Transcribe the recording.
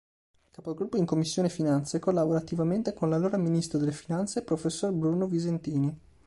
Capogruppo in Commissione finanze, collabora attivamente con l'allora ministro delle Finanze prof. Bruno Visentini.